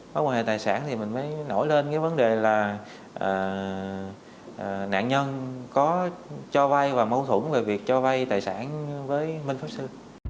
mối quan hệ tài sản thì mình mới nổi lên cái vấn đề là nạn nhân có cho vay và mâu thủng về việc cho vay tài sản với minh pháp sư